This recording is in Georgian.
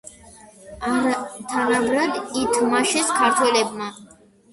არათანაბრად ითმაშეს ქართველებმა.